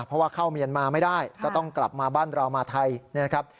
เพราะว่าเข้าเมียนมาไม่ได้ก็ต้องกลับมาบ้านเรามาไทยนะครับ